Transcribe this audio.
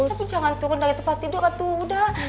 tapi jangan turun dari tempat tidur atau udah